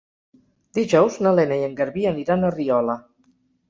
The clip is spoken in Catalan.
Dijous na Lena i en Garbí aniran a Riola.